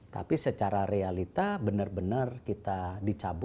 tapi secara realita benar benar kita dicabut